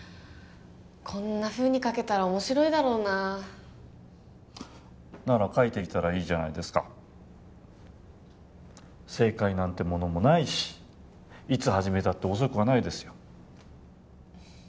こんなふうに描けたら面白いだろうななら描いてみたらいいじゃないですか正解なんてものもないしいつ始めたって遅くはないですよ